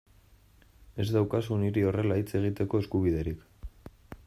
Ez daukazu niri horrela hitz egiteko eskubiderik.